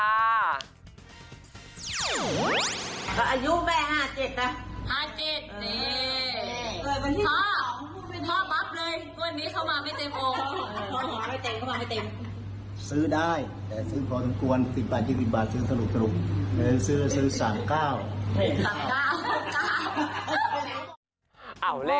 อายุแม่๕๗นะ